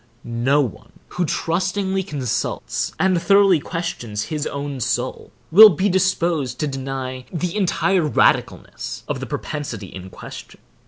No one who trustingly consults and thoroughly questions his own soul, will be disposed to deny the entire radicalness of the propensity in question.